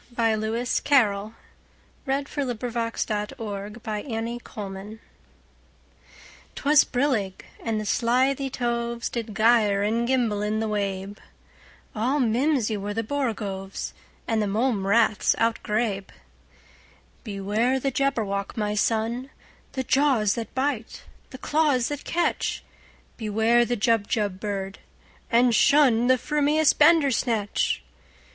1895. Lewis Carroll 1832–98 Jabberwocky CarrollL 'T WAS brillig, and the slithy tovesDid gyre and gimble in the wabe; All mimsy were the borogoves, And the mome raths outgrabe."Beware the Jabberwock, my son! The jaws that bite, the claws that catch! Beware the Jubjub bird, and shunThe frumious Bandersnatch!"